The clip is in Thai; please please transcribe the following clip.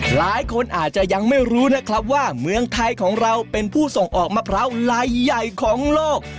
หลายคนอาจจะยังไม่รู้นะครับว่าเมืองไทยของเราเป็นผู้ส่งออกมะพร้าวลายใหญ่ของโลก